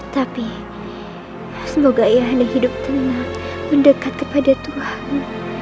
tapi semoga ayahanda hidup tenang mendekat kepada tuhan